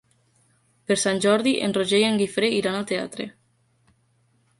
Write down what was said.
Per Sant Jordi en Roger i en Guifré iran al teatre.